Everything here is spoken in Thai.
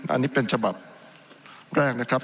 อันนี้เป็นฉบับแรกนะครับ